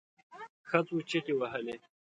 ښځو چیغې وهلې.